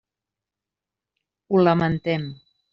Ho lamentem.